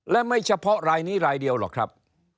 และไม่เฉพาะรายนี้รายเดียวหรอกครับ